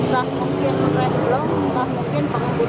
di bawah pramu budi juga di lapangan truk